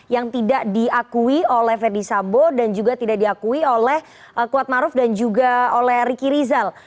yang tidak diakui oleh ferdis sambo dan juga tidak diakui oleh kuatmaruf dan juga oleh ricky rizal